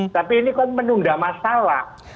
tapi ini kan menunda masalah